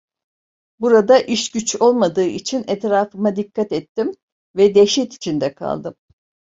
Burada iş güç olmadığı için etrafıma dikkat ettim ve dehşet içinde kaldım.